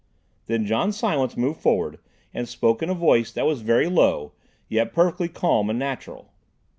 Then John Silence moved forward and spoke in a voice that was very low, yet perfectly calm and natural.